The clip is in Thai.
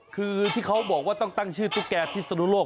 คือที่เขาบอกว่าต้องตั้งชื่อตุ๊กแก่พิศนุโลก